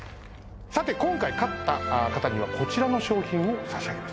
さて今回勝った方にはこちらの商品を差し上げます。